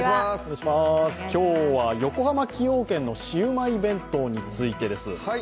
今日は横浜・崎陽軒のシウマイ弁当についてです。